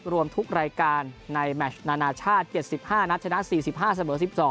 รวมทุกรายการในแมชนานาชาติ๗๕นัดชนะ๔๕เสมอ๑๒